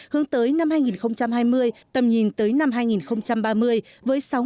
hướng tới năm hai nghìn hai mươi tầm nhìn tới năm hai nghìn ba mươi với sáu ngành công nghiệp điện tử